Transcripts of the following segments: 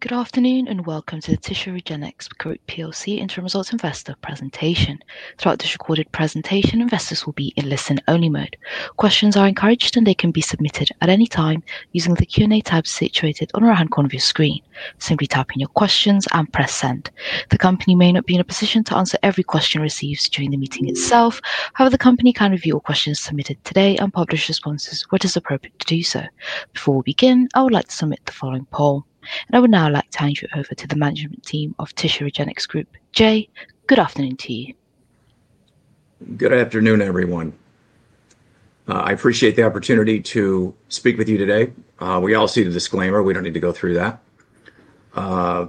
Good afternoon and welcome to the Tissue Regenix Group PLC Interim Results Investor Presentation. Throughout this recorded presentation, investors will be in listen-only mode. Questions are encouraged and they can be submitted at any time using the Q&A tab situated on our hand-conveyor screen. Simply type in your questions and press send. The company may not be in a position to answer every question received during the meeting itself. However, the company can review your questions submitted today and publish responses when it is appropriate to do so. Before we begin, I would like to submit the following poll. I would now like to hand you over to the management team of Tissue Regenix Group, Jay. Good afternoon to you. Good afternoon, everyone. I appreciate the opportunity to speak with you today. We all see the disclaimer. We don't need to go through that. I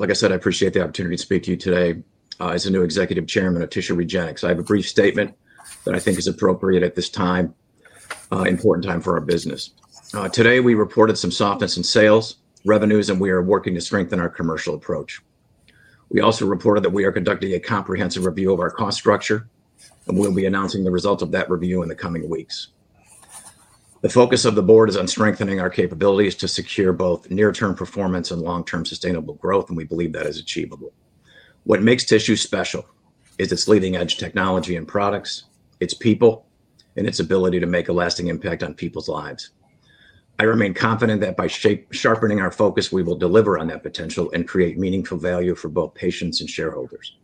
appreciate the opportunity to speak to you today as a new Executive Chairman of Tissue Regenix. I have a brief statement that I think is appropriate at this time, an important time for our business. Today, we reported some softness in sales revenues, and we are working to strengthen our commercial approach. We also reported that we are conducting a comprehensive review of our cost structure, and we'll be announcing the result of that review in the coming weeks. The focus of the Board is on strengthening our capabilities to secure both near-term performance and long-term sustainable growth, and we believe that is achievable. What makes Tissue special is its leading-edge technology and products, its people, and its ability to make a lasting impact on people's lives. I remain confident that by sharpening our focus, we will deliver on that potential and create meaningful value for both patients and shareholders.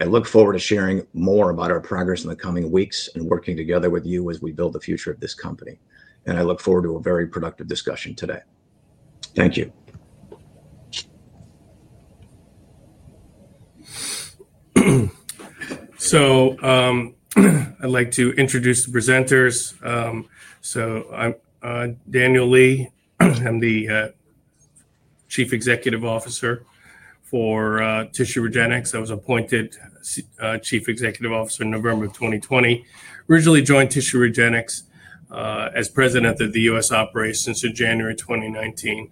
I look forward to sharing more about our progress in the coming weeks and working together with you as we build the future of this company. I look forward to a very productive discussion today. Thank you. I'd like to introduce the presenters. I'm Daniel Lee. I'm the Chief Executive Officer for Tissue Regenix. I was appointed Chief Executive Officer in November 2020. I originally joined Tissue Regenix as President of the U.S. operations in January 2019.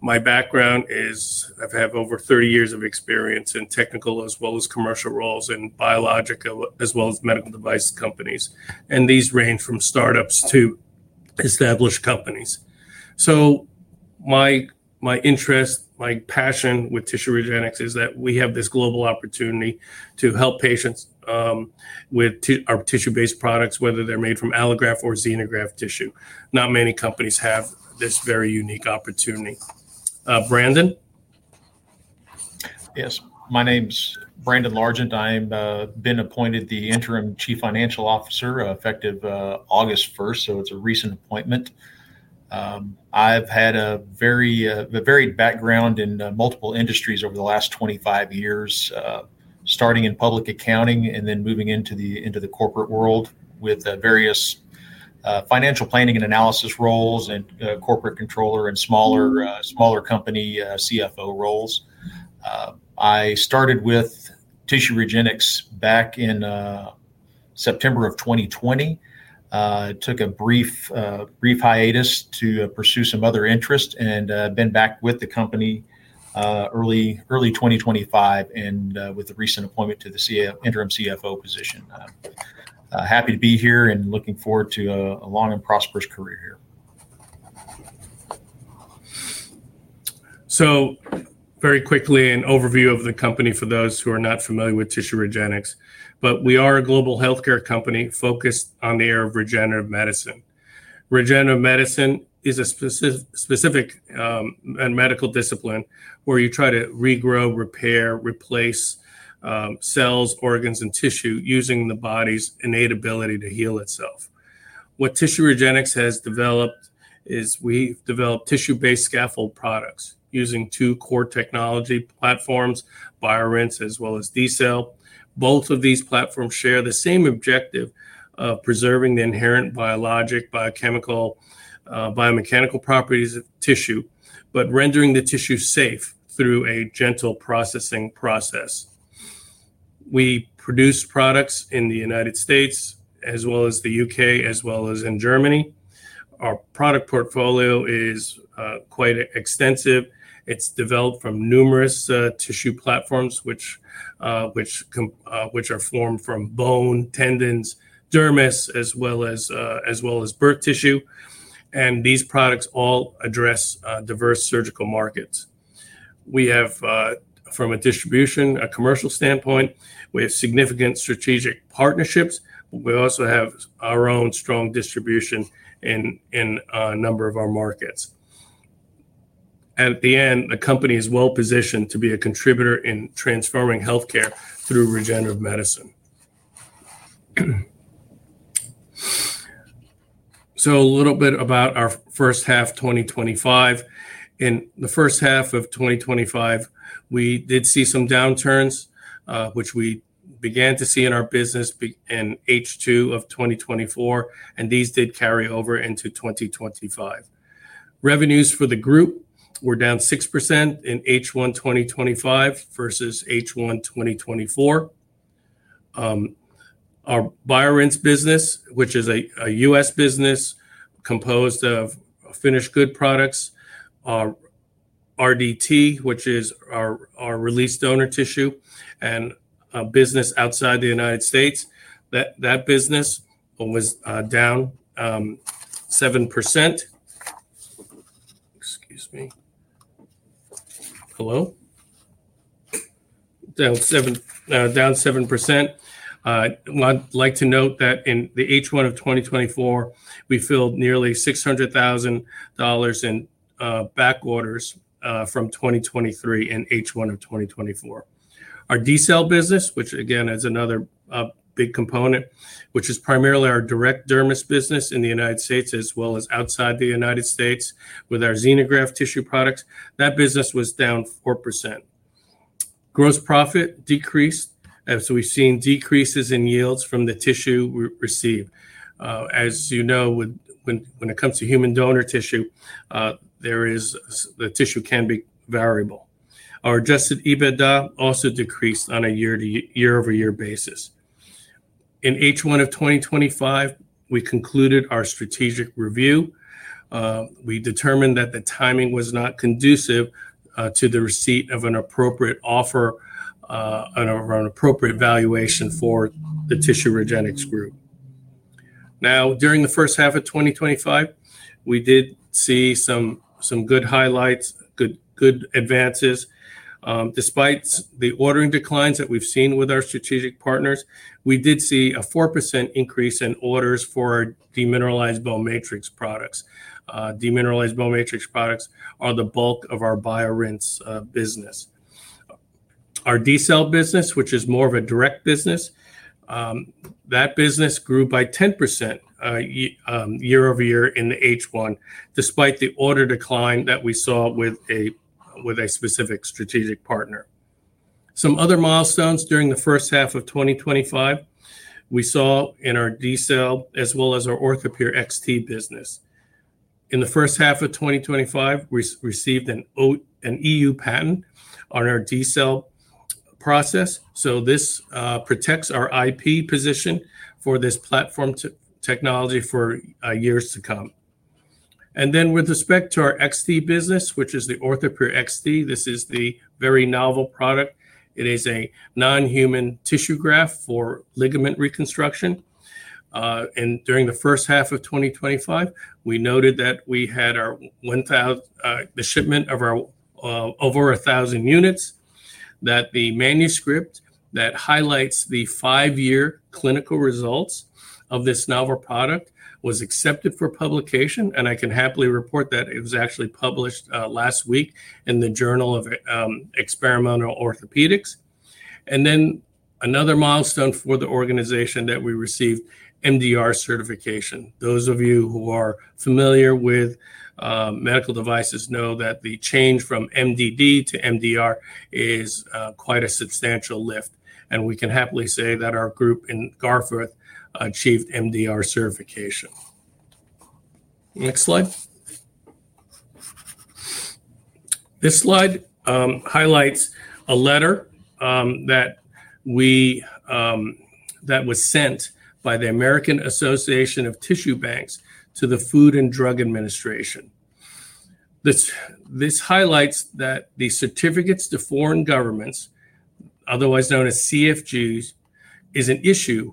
My background is I've had over 30 years of experience in technical as well as commercial roles in biologic as well as medical device companies, and these range from startups to established companies. My interest, my passion with Tissue Regenix is that we have this global opportunity to help patients with our tissue-based products, whether they're made from allograft or xenograft tissue. Not many companies have this very unique opportunity. Brandon? Yes, my name's Brandon Largent. I've been appointed the Interim Chief Financial Officer effective August 1st, so it's a recent appointment. I've had a very varied background in multiple industries over the last 25 years, starting in public accounting and then moving into the corporate world with various financial planning and analysis roles and Corporate Controller and smaller company CFO roles. I started with Tissue Regenix back in September of 2020, took a brief hiatus to pursue some other interests, and I've been back with the company early 2025 and with a recent appointment to the Interim CFO position. I'm happy to be here and looking forward to a long and prosperous career here. Very quickly, an overview of the company for those who are not familiar with Tissue Regenix. We are a global healthcare company focused on the area of regenerative medicine. Regenerative medicine is a specific and medical discipline where you try to regrow, repair, replace cells, organs, and tissue using the body's innate ability to heal itself. What Tissue Regenix has developed is we've developed tissue-based scaffold products using two core technology platforms, BioRinse as well as dCELL. Both of these platforms share the same objective of preserving the inherent biologic, biochemical, biomechanical properties of tissue, but rendering the tissue safe through a gentle processing process. We produce products in the United States as well as the U.K., as well as in Germany. Our product portfolio is quite extensive. It's developed from numerous tissue platforms, which are formed from bone, tendons, dermis, as well as birth tissue. These products all address diverse surgical markets. From a distribution and commercial standpoint, we have significant strategic partnerships. We also have our own strong distribution in a number of our markets. At the end, the company is well positioned to be a contributor in transforming healthcare through regenerative medicine. A little bit about our first half 2025. In the first half of 2025, we did see some downturns, which we began to see in our business in H2 of 2024, and these did carry over into 2025. Revenues for the group were down 6% in H1 2025 versus H1 2024. Our BioRinse business, which is a U.S. business composed of finished good products, our RDT, which is our released donor tissue, and a business outside the United States, that business was down 7%. I'd like to note that in H1 2024, we filled nearly $600,000 in back orders from 2023 and H1 2024. Our dCELL business, which again is another big component, which is primarily our direct dermis business in the United States as well as outside the United States with our xenograft tissue products, that business was down 4%. Gross profit decreased, as we've seen decreases in yields from the tissue received. As you know, when it comes to human donor tissue, the tissue can be variable. Our adjusted EBITDA also decreased on a year-over-year basis. In H1 2025, we concluded our strategic review. We determined that the timing was not conducive to the receipt of an appropriate offer and around appropriate valuation for the Tissue Regenix Group. Now, during the first half of 2025, we did see some good highlights, good advances. Despite the ordering declines that we've seen with our strategic partners, we did see a 4% increase in orders for demineralized bone matrix products. Demineralized bone matrix products are the bulk of our BioRinse business. Our dCELL business, which is more of a direct business, that business grew by 10% year-over-year in the H1, despite the order decline that we saw with a specific strategic partner. Some other milestones during the first half of 2025, we saw in our dCELL as well as our OrthoPure XT business. In the first half of 2025, we received an EU patent on our dCELL process. This protects our IP position for this platform technology for years to come. With respect to our XT business, which is the OrthoPure XT, this is the very novel product. It is a non-human tissue graft for ligament reconstruction. During the first half of 2025, we noted that we had the shipment of over 1,000 units, that the manuscript that highlights the five-year clinical results of this novel product was accepted for publication. I can happily report that it was actually published last week in the Journal of Experimental Orthopaedics. Another milestone for the organization is that we received MDR certification. Those of you who are familiar with medical devices know that the change from MDD to MDR is quite a substantial lift. We can happily say that our group in Garforth achieved MDR certification. Next slide. This slide highlights a letter that was sent by the American Association of Tissue Banks to the Food and Drug Administration. This highlights that the Certificates to Foreign Governments, otherwise known as CFGs, is an issue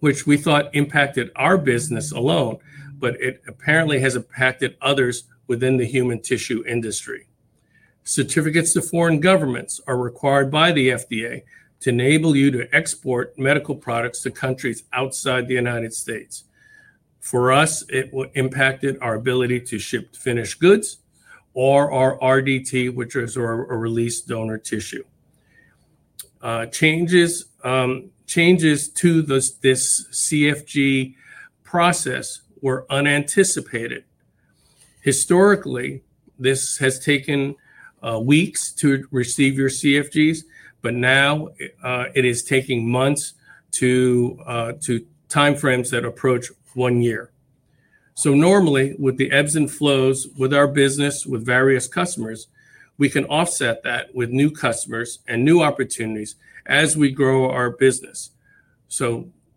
which we thought impacted our business alone, but it apparently has impacted others within the human tissue industry. Certificates to Foreign Governments are required by the FDA to enable you to export medical products to countries outside the United States. For us, it impacted our ability to ship finished goods or our RDT, which is our released donor tissue. Changes to this CFG process were unanticipated. Historically, this has taken weeks to receive your CFGs, but now it is taking months to time frames that approach one year. Normally, with the ebbs and flows with our business with various customers, we can offset that with new customers and new opportunities as we grow our business.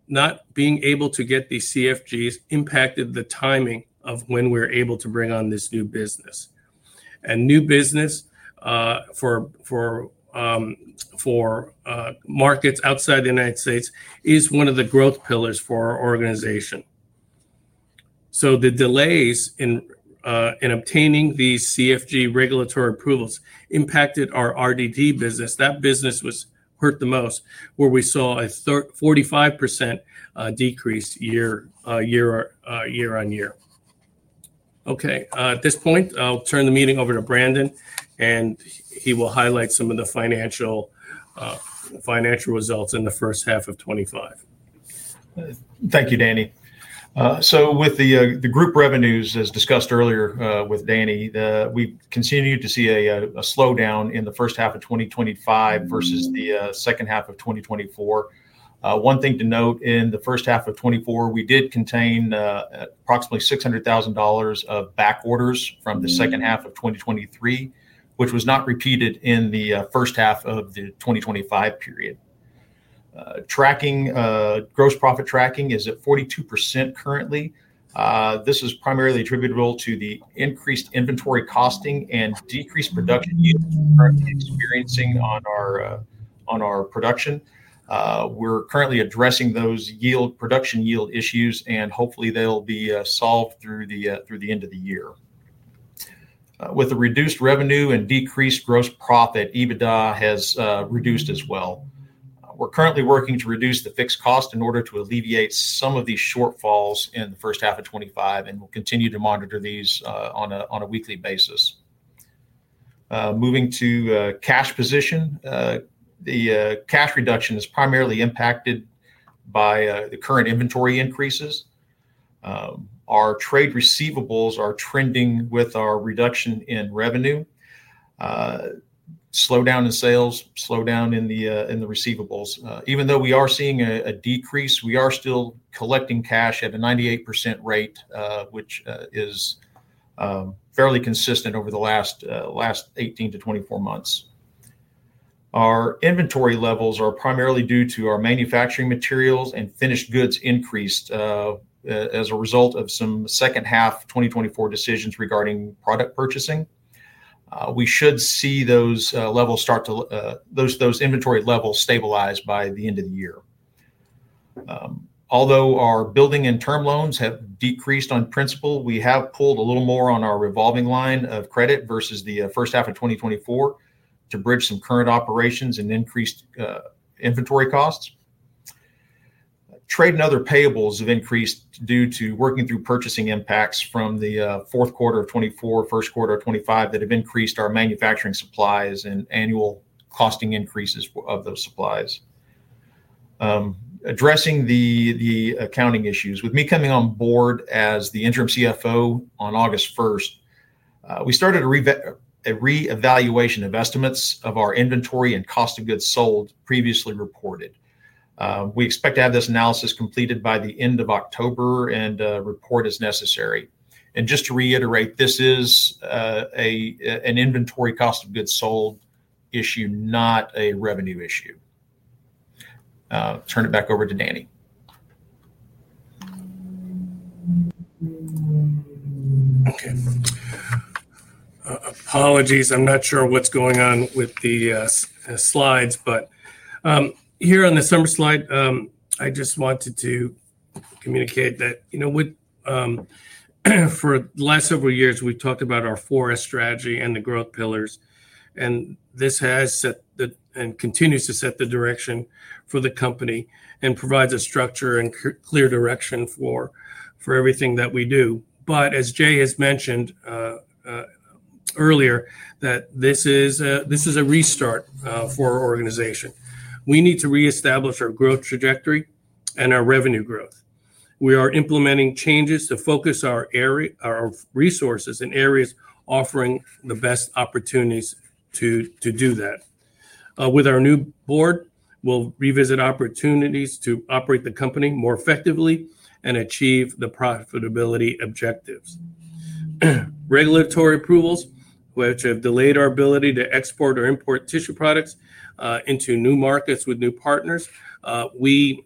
Not being able to get the CFGs impacted the timing of when we're able to bring on this new business. New business for markets outside the United States is one of the growth pillars for our organization. The delays in obtaining the CFG regulatory approvals impacted our RDT business. That business was hurt the most, where we saw a 45% decrease year-on-year. At this point, I'll turn the meeting over to Brandon, and he will highlight some of the financial results in the first half of 2025. Thank you, Danny. With the group revenues, as discussed earlier with Danny, we continued to see a slowdown in the first half of 2025 versus the second half of 2024. One thing to note, in the first half of 2024, we did contain approximately $600,000 of back orders from the second half of 2023, which was not repeated in the first half of the 2025 period. Gross profit tracking is at 42% currently. This is primarily attributable to the increased inventory costs and decreased production yield we're currently experiencing on our production. We're currently addressing those production yield issues, and hopefully they'll be solved through the end of the year. With the reduced revenue and decreased gross profit, EBITDA has reduced as well. We're currently working to reduce the fixed cost in order to alleviate some of the shortfalls in the first half of 2025, and we'll continue to monitor these on a weekly basis. Moving to cash position, the cash reduction is primarily impacted by the current inventory increases. Our trade receivables are trending with our reduction in revenue. Slowdown in sales, slowdown in the receivables. Even though we are seeing a decrease, we are still collecting cash at a 98% rate, which is fairly consistent over the last 18-24 months. Our inventory levels are primarily due to our manufacturing materials and finished goods increased as a result of some second half 2024 decisions regarding product purchasing. We should see those inventory levels stabilize by the end of the year. Although our building and term loans have decreased on principal, we have pulled a little more on our revolving line of credit versus the first half of 2024 to bridge some current operations and increased inventory costs. Trade and other payables have increased due to working through purchasing impacts from the fourth quarter of 2024, first quarter of 2025 that have increased our manufacturing supplies and annual costing increases of those supplies. Addressing the accounting issues, with me coming onboard as the Interim CFO on August 1, we started a reevaluation of estimates of our inventory and cost of goods sold previously reported. We expect to have this analysis completed by the end of October and report as necessary. Just to reiterate, this is an inventory cost of goods sold issue, not a revenue issue. Turn it back over to Danny. I'm not sure what's going on with the slides, but here on the summary slide, I just wanted to communicate that, you know, for the last several years, we've talked about our core strategy and the growth pillars. This has set the and continues to set the direction for the company and provides a structure and clear direction for everything that we do. As Jay has mentioned earlier, this is a restart for our organization. We need to reestablish our growth trajectory and our revenue growth. We are implementing changes to focus our resources in areas offering the best opportunities to do that. With our new board, we'll revisit opportunities to operate the company more effectively and achieve the profitability objectives. Regulatory approvals, which have delayed our ability to export or import tissue products into new markets with new partners, we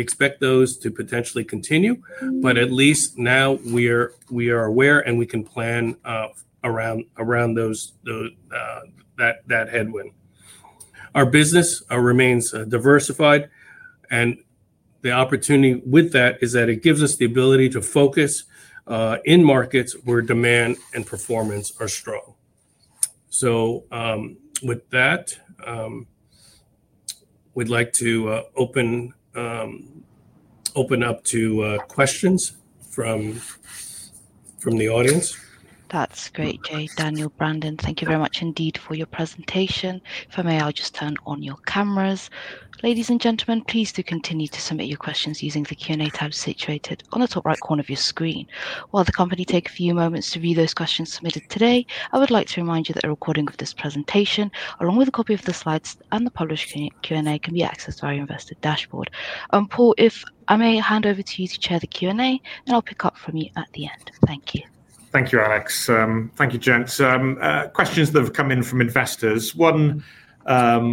expect those to potentially continue. At least now we are aware and we can plan around that headwind. Our business remains diversified, and the opportunity with that is that it gives us the ability to focus in markets where demand and performance are strong. With that, we'd like to open up to questions from the audience. That's great, Jay, Daniel, Brandon. Thank you very much indeed for your presentation. If I may, I'll just turn on your cameras. Ladies and gentlemen, please do continue to submit your questions using the Q&A tab situated on the top right corner of your screen. While the company takes a few moments to view those questions submitted today, I would like to remind you that a recording of this presentation, along with a copy of the slides and the published Q&A, can be accessed via our investor dashboard. Paul, if I may hand over to you to chair the Q&A, and I'll pick up from you at the end. Thank you. Thank you, Alex. Thank you, Jay. Questions that have come in from investors. One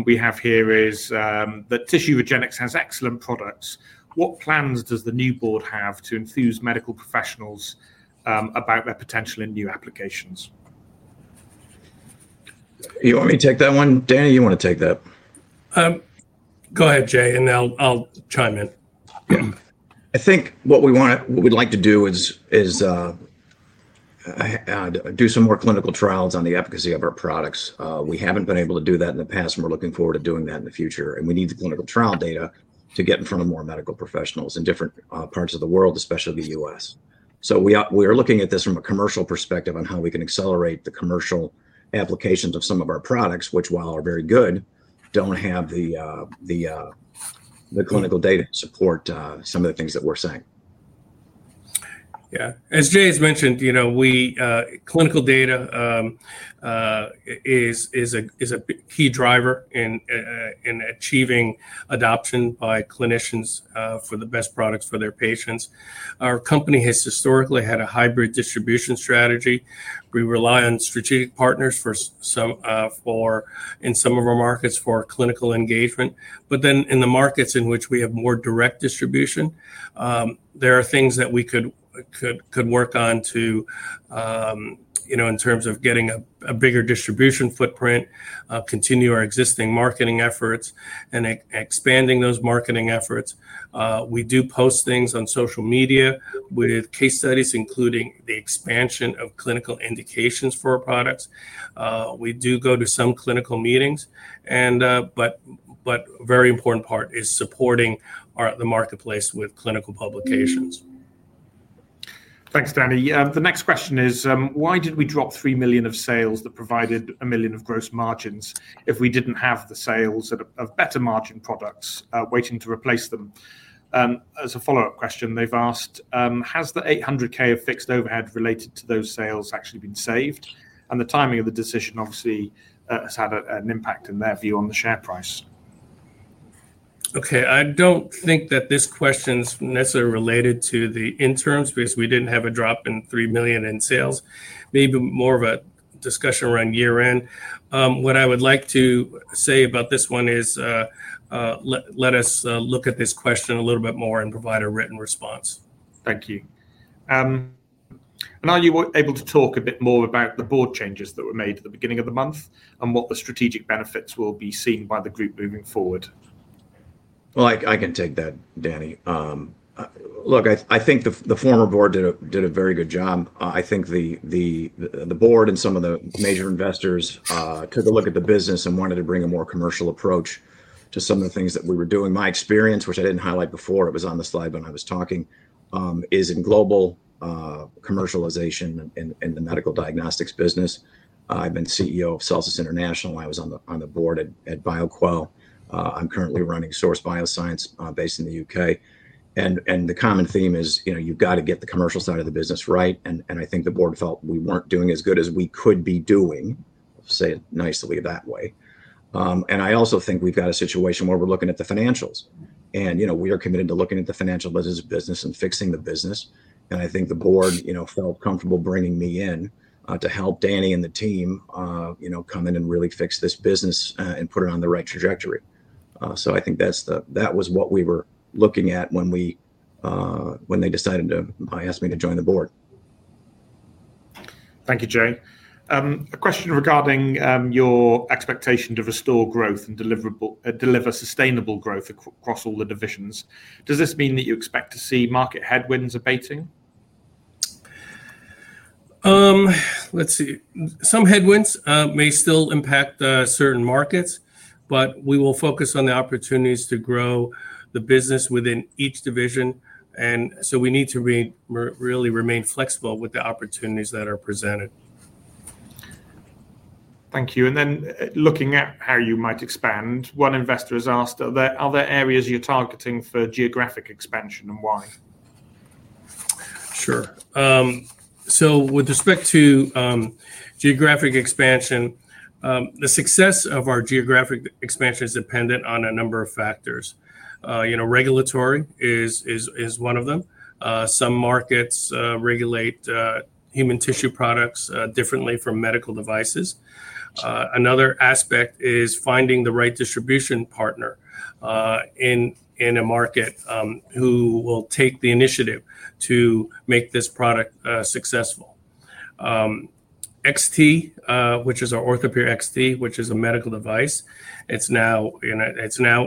we have here is that Tissue Regenix has excellent products. What plans does the new board have to enthuse medical professionals about their potential in new applications? You want me to take that one? Daniel, you want to take that? Go ahead, Jay, and then I'll chime in. I think what we'd like to do is do some more clinical trials on the efficacy of our products. We haven't been able to do that in the past, and we're looking forward to doing that in the future. We need the clinical trial data to get in front of more medical professionals in different parts of the world, especially the U.S..We are looking at this from a commercial perspective on how we can accelerate the commercial applications of some of our products, which, while are very good, don't have the clinical data to support some of the things that we're saying. Yeah. As Jay has mentioned, you know, clinical data is a key driver in achieving adoption by clinicians for the best products for their patients. Our company has historically had a hybrid distribution strategy. We rely on strategic partners in some of our markets for clinical engagement. In the markets in which we have more direct distribution, there are things that we could work on in terms of getting a bigger distribution footprint, continuing our existing marketing efforts, and expanding those marketing efforts. We do post things on social media with case studies, including the expansion of clinical indications for our products. We do go to some clinical meetings, but a very important part is supporting the marketplace with clinical publications. Thanks, Danny. The next question is, why did we drop $3 million of sales that provided $1 million of gross margins if we didn't have the sales of better margin products waiting to replace them? As a follow-up question, they've asked, has the $800,000 of fixed overhead related to those sales actually been saved? The timing of the decision obviously has had an impact in their view on the share price. Okay. I don't think that this question is necessarily related to the interims because we didn't have a drop in $3 million in sales. Maybe more of a discussion around year-end. What I would like to say about this one is let us look at this question a little bit more and provide a written response. Thank you. Are you able to talk a bit more about the Board changes that were made at the beginning of the month and what the strategic benefits will be seen by the group moving forward? I can take that, Danny. I think the former Board did a very good job. I think the Board and some of the major investors took a look at the business and wanted to bring a more commercial approach to some of the things that we were doing. My experience, which I didn't highlight before, it was on the slide when I was talking, is in global commercialization in the medical diagnostics business. I've been CEO of Celsis International. I was on the Board at Bioquell. I'm currently running Source BioScience based in the UK. The common theme is, you've got to get the commercial side of the business right. I think the board felt we weren't doing as good as we could be doing, say it nicely that way. I also think we've got a situation where we're looking at the financials. You know, we are committed to looking at the financial business and fixing the business. I think the Board felt comfortable bringing me in to help Danny and the team, you know, come in and really fix this business and put it on the right trajectory. I think that was what we were looking at when they decided to ask me to join the Board. Thank you, Jay. A question regarding your expectation to restore growth and deliver sustainable growth across all the divisions. Does this mean that you expect to see market headwinds abating? Some headwinds may still impact certain markets, but we will focus on the opportunities to grow the business within each division. We need to really remain flexible with the opportunities that are presented. Thank you. Looking at how you might expand, one investor has asked, are there other areas you're targeting for geographic expansion and why? Sure. With respect to geographic expansion, the success of our geographic expansion is dependent on a number of factors. Regulatory is one of them. Some markets regulate human tissue products differently from medical devices. Another aspect is finding the right distribution partner in a market who will take the initiative to make this product successful. XT, which is our OrthoPure XT, which is a medical device, has now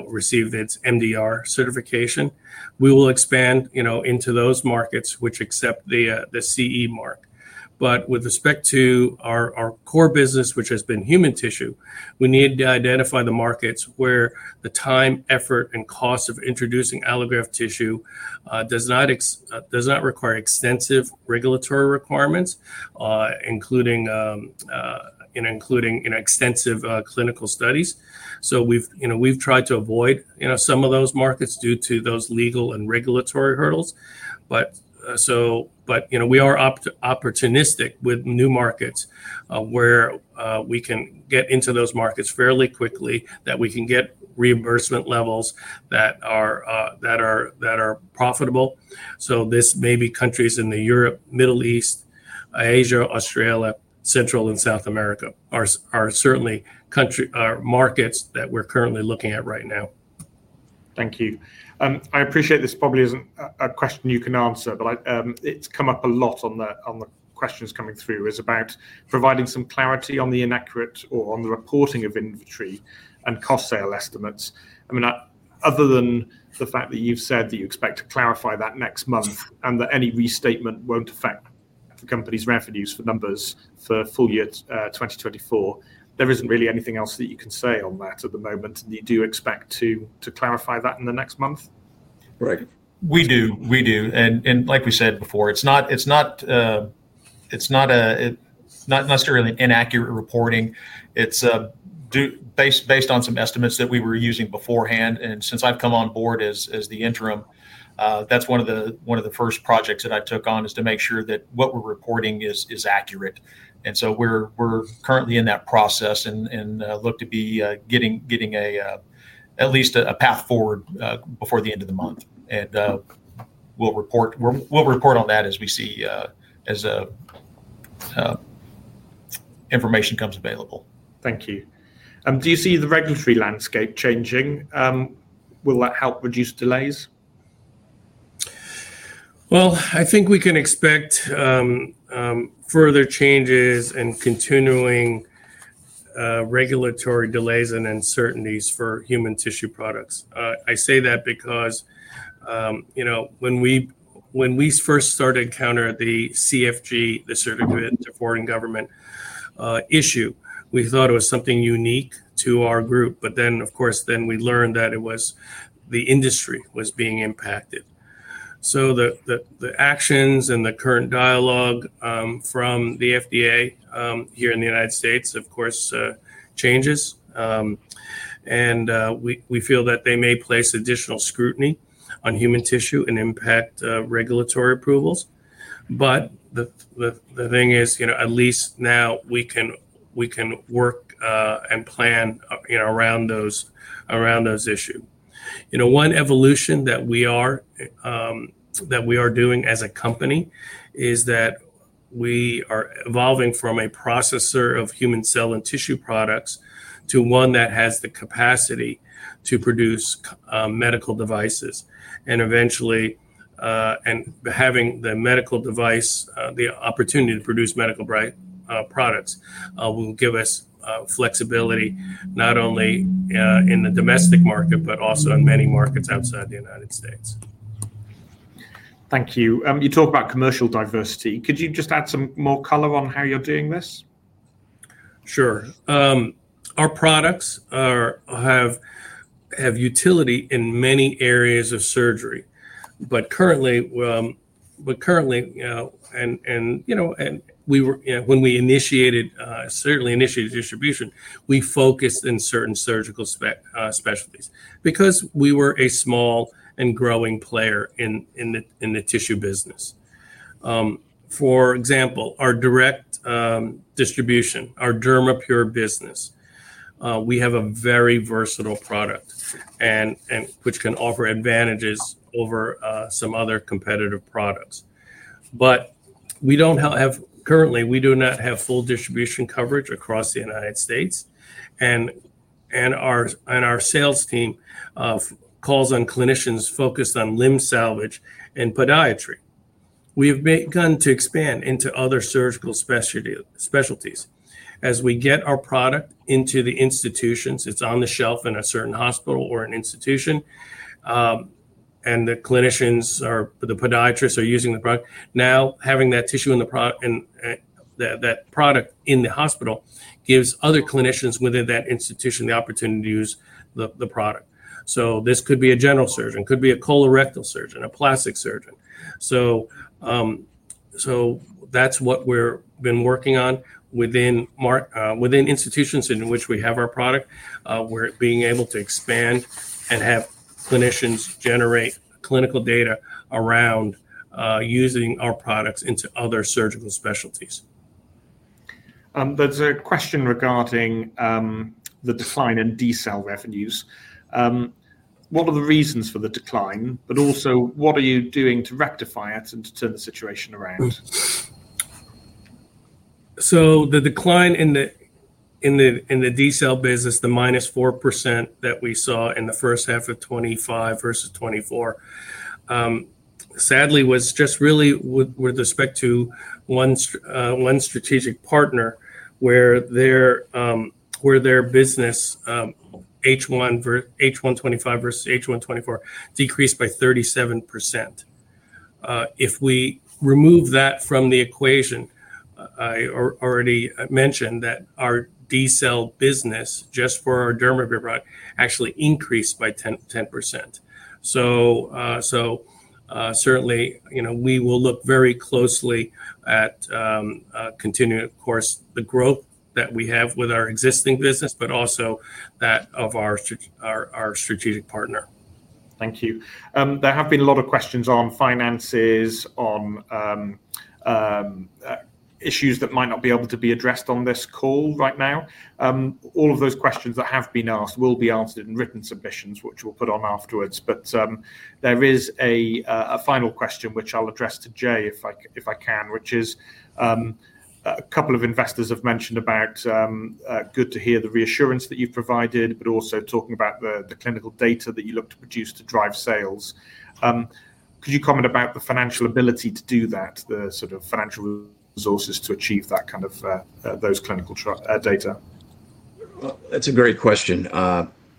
received its MDR certification. We will expand into those markets which accept the CE mark. With respect to our core business, which has been human tissue, we need to identify the markets where the time, effort, and cost of introducing allograft tissue does not require extensive regulatory requirements, including extensive clinical studies. We have tried to avoid some of those markets due to those legal and regulatory hurdles. We are opportunistic with new markets where we can get into those markets fairly quickly, that we can get reimbursement levels that are profitable. This may be countries in Europe, Middle East, Asia, Australia, Central, and South America, which are certainly markets that we're currently looking at right now. Thank you. I appreciate this probably isn't a question you can answer, but it's come up a lot on the questions coming through about providing some clarity on the inaccurate or on the reporting of inventory and cost sale estimates. Other than the fact that you've said that you expect to clarify that next month and that any restatement won't affect the company's revenues or numbers for full year 2024, there isn't really anything else that you can say on that at the moment. You do expect to clarify that in the next month? Right. We do. We do. Like we said before, it's not necessarily inaccurate reporting. It's based on some estimates that we were using beforehand. Since I've come on board as the Interim, that's one of the first projects that I took on, to make sure that what we're reporting is accurate. We're currently in that process and look to be getting at least a path forward before the end of the month. We'll report on that as we see as information comes available. Thank you. Do you see the regulatory landscape changing? Will that help reduce delays? I think we can expect further changes and continuing regulatory delays and uncertainties for human tissue products. I say that because when we first started encountering the CFG, the Certificate to Foreign Government, issue, we thought it was something unique to our group. Of course, we learned that the industry was being impacted. The actions and the current dialogue from the FDA here in the United States change, and we feel that they may place additional scrutiny on human tissue and impact regulatory approvals. The thing is, at least now we can work and plan around those issues. One evolution that we are doing as a company is that we are evolving from a processor of human cell and tissue products to one that has the capacity to produce medical devices. Eventually, having the medical device, the opportunity to produce medical products will give us flexibility not only in the domestic market, but also in many markets outside the United States. Thank you. You talk about commercial diversity. Could you just add some more color on how you're doing this? Sure. Our products have utility in many areas of surgery. Currently, when we initiated distribution, we focused in certain surgical specialties because we were a small and growing player in the tissue business. For example, our direct distribution, our DermaPure business, we have a very versatile product, which can offer advantages over some other competitive products. We do not have full distribution coverage across the United States, and our sales team calls on clinicians focused on limb salvage and podiatry. We have begun to expand into other surgical specialties as we get our product into the institutions. It's on the shelf in a certain hospital or an institution, and the clinicians or the podiatrists are using the product. Having that tissue and that product in the hospital gives other clinicians within that institution the opportunity to use the product. This could be a general surgeon, could be a colorectal surgeon, a plastic surgeon. That's what we've been working on within institutions in which we have our product. We're being able to expand and have clinicians generate clinical data around using our products into other surgical specialties. There's a question regarding the decline in dCELL revenues. What are the reasons for the decline, but also what are you doing to rectify it and to turn the situation around? The decline in the dCELL business, the -4% that we saw in the first half of 2025 versus 2024, sadly, was just really with respect to one strategic partner where their business, H1 2025 versus H1 2024, decreased by 37%. If we remove that from the equation, I already mentioned that our dCELL business just for our DermaPure actually increased by 10%. Certainly, we will look very closely at continuing, of course, the growth that we have with our existing business, but also that of our strategic partner. Thank you. There have been a lot of questions on finances, on issues that might not be able to be addressed on this call right now. All of those questions that have been asked will be answered in written submissions, which we'll put on afterwards. There is a final question, which I'll address to Jay if I can, which is a couple of investors have mentioned about good to hear the reassurance that you've provided, but also talking about the clinical data that you look to produce to drive sales. Could you comment about the financial ability to do that, the sort of financial resources to achieve that kind of those clinical data? That's a great question.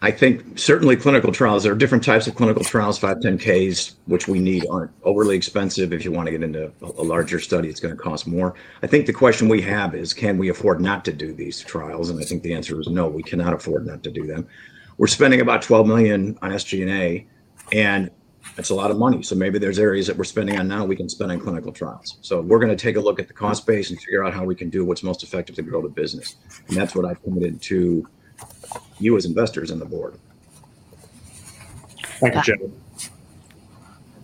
I think certainly clinical trials, there are different types of clinical trials, 510(k)s, which we need, aren't overly expensive. If you want to get into a larger study, it's going to cost more. I think the question we have is, can we afford not to do these trials? I think the answer is no, we cannot afford not to do them. We're spending about $12 million on SG&A, and that's a lot of money. Maybe there's areas that we're spending on now we can spend on clinical trials. We're going to take a look at the cost base and figure out how we can do what's most effective to grow the business. That's what I've pointed to you as investors in the board. Thank you,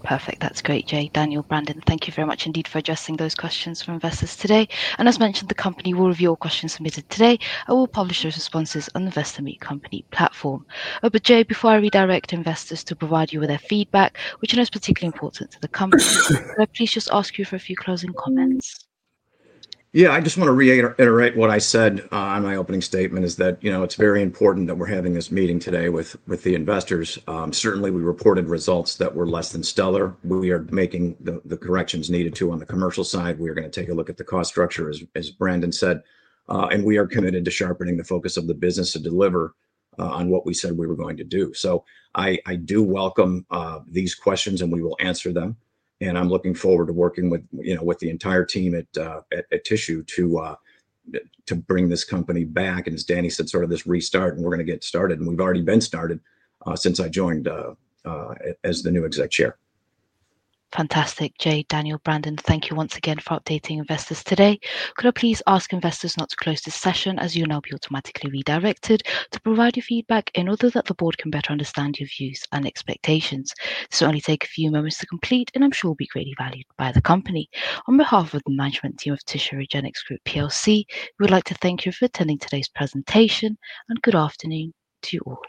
Jay. Perfect. That's great, Jay, Daniel, Brandon. Thank you very much indeed for addressing those questions from investors today. As mentioned, the company will review all questions submitted today and will publish those responses on the Investor Meet Company platform. Jay, before I redirect investors to provide you with their feedback, which I know is particularly important to the company, can I please just ask you for a few closing comments? I just want to reiterate what I said in my opening statement, that it's very important that we're having this meeting today with the investors. Certainly, we reported results that were less than stellar. We are making the corrections needed to on the commercial side. We are going to take a look at the cost structure, as Brandon said, and we are committed to sharpening the focus of the business to deliver on what we said we were going to do. I do welcome these questions, and we will answer them. I'm looking forward to working with the entire team at Tissue to bring this company back. As Danny said, sort of this restart, we're going to get started. We've already been started since I joined as the new Exec Chairman. Fantastic, Jay, Daniel, Brandon. Thank you once again for updating investors today. Could I please ask investors not to close this session, as you will now be automatically redirected to provide your feedback in order that the board can better understand your views and expectations? Certainly, take a few moments to complete, and I'm sure it will be greatly valued by the company. On behalf of the management team of Tissue Regenix Group PLC, we would like to thank you for attending today's presentation, and good afternoon to all.